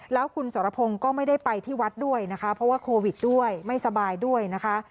แล้วคุณสรพงศ์ก็ไม่ได้ไปที่วัดด้วยนะคะเพราะว่าโควิดด้วยไม่สบายด้วยนะคะ